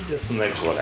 これ。